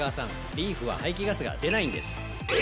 リーフは排気ガスが出ないんです！